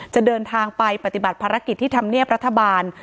จะเดินทางไปปฏิบัติภารกิจที่ธรรมเนียบรัฐบาล